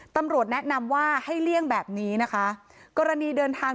ตำรวจแนะนำว่าให้เลี่ยงแบบนี้นะคะกรณีเดินทาง